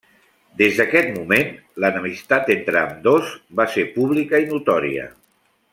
Des d'aquest moment, l'enemistat entre ambdós va ser pública i notòria.